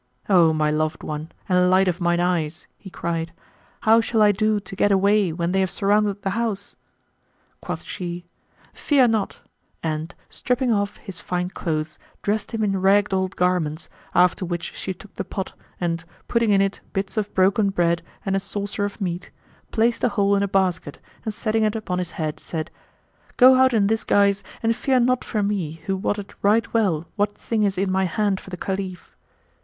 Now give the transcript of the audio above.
"O my loved one and light of mine eyes!" he cried, "how shall I do to get away when they have surrounded the house?" Quoth she, "Fear not;" and, stripping off his fine clothes, dressed him in ragged old garments, after which she took the pot and, putting in it bits of broken bread and a saucer of meat,[FN#120] placed the whole in a basket and setting it upon his head said, "Go out in this guise and fear not for me who wotteth right well what thing is in my hand for the Caliph."